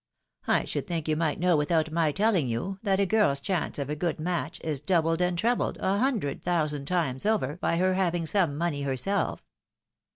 I should think you might know without my telling you, that a girl's chance of a good match is doubled and trebled a hundred thousand times over by her having some money her self."